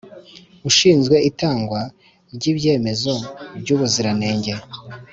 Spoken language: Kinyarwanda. Ushinzwe itangwa ry ibyemezo by ubuziranenge